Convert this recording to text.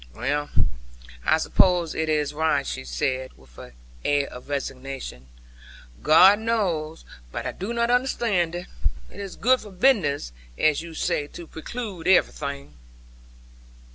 'Well, I suppose it is right,' she said, with an air of resignation; 'God knows. But I do not understand it. It is "good for business," as you say, to preclude everything.'